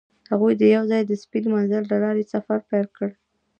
هغوی یوځای د سپین منظر له لارې سفر پیل کړ.